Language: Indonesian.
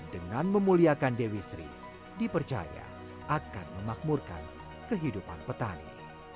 dengan memuliakan dewi sri dipercaya akan memakmurkan kehidupan petani